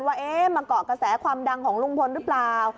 ว่ามาเกาะกระแสความดังของลุงพลหรือเปล่า